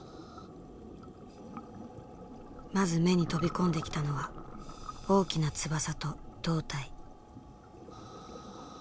まず目に飛び込んできたのは大きな翼と胴体。